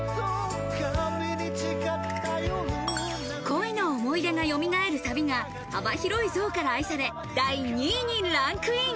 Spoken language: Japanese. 恋の思い出がよみがえるサビが、幅広い層から愛され、第２位にランクイン。